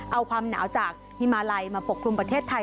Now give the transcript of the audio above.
เอาความหนาวจากฮิมาลัยมาปกครุมประเทศไทย